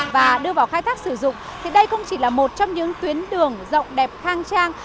và đưa vào khai thác sử dụng thì đây không chỉ là một trong những tuyến đường rộng đẹp khang trang